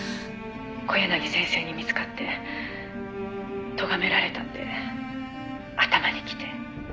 「小柳先生に見つかってとがめられたので頭にきて」